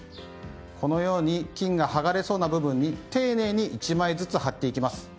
このように金が剥がれそうな部分に丁寧に１枚ずつ貼っていきます。